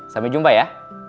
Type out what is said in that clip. sampai jumpa ya